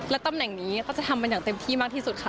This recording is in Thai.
ตำแหน่งนี้ก็จะทำกันอย่างเต็มที่มากที่สุดค่ะ